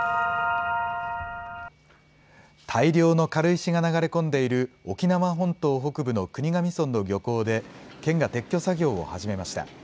大量の軽石が流れ込んでいる沖縄本島北部の国頭村の漁港で県が撤去作業を始めました。